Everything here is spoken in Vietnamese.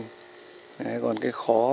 thì người dân trồng nhiều hơn